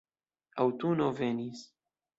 Aŭtuno venis.